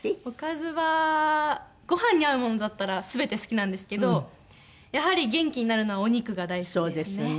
おかずはご飯に合うものだったら全て好きなんですけどやはり元気になるのはお肉が大好きですね。